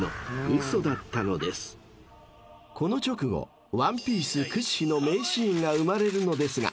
［この直後『ワンピース』屈指の名シーンが生まれるのですが］